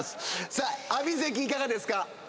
さあ阿炎関いかがですか？